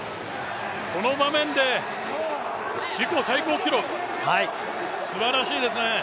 この場面で、自己最高記録、すばらしいですね。